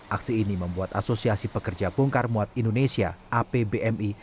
aksi ini membuat asosiasi pekerja bongkar muat indonesia apbmi